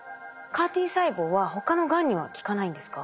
ＣＡＲ−Ｔ細胞は他のがんには効かないんですか？